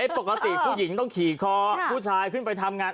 ปกติผู้หญิงต้องขี่คอผู้ชายขึ้นไปทำงาน